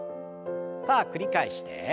さあ繰り返して。